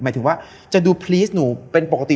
หมายถึงว่าจะดูพลีสหนูเป็นปกติ